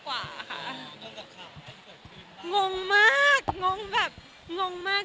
ด้านมันก็แบบแบนมากกว่าค่ะ